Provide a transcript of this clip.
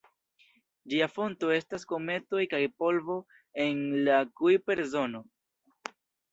Ĝia fonto estas kometoj kaj polvo el la Kujper-zono.